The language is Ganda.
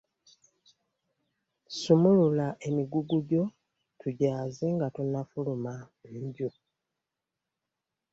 Ssumulula emigugu egyo tugyaaze nga tonafuluma nju.